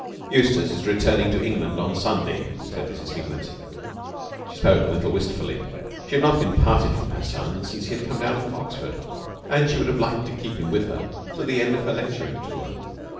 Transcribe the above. "Eustace is returning to England on Saturday," said Mrs. Hignett. She spoke a little wistfully. She had not been parted from her son since he had come down from Oxford; and she would have liked to keep him with her till the end of her lecturing tour.